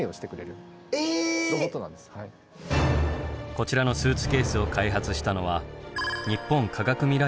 こちらのスーツケースを開発したのは日本科学未来館